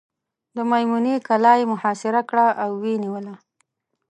د مېمنې کلا یې محاصره کړه او ویې نیوله.